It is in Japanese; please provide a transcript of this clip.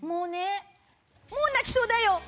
もう泣きそうだよ。